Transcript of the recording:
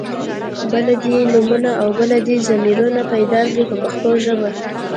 بله دې نومونه او بله دې ضمیرونه پیدا کړي په پښتو ژبه.